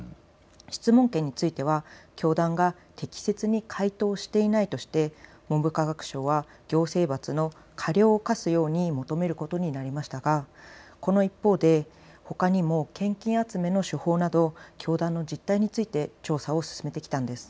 質問権については教団が適切に回答していないとして文部科学省は行政罰の過料を科すように求めることになりましたがこの一方でほかにも献金集めの手法など教団の実態について調査を進めてきたんです。